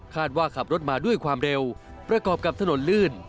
ว่าขับรถมาด้วยความเร็วประกอบกับถนนลื่น